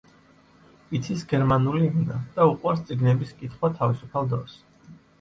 იცის გერმანული ენა და უყვარს წიგნების კითხვა თავისუფალ დროს.